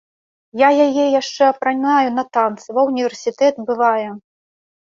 Я яе яшчэ апранаю на танцы, ва ўніверсітэт бывае.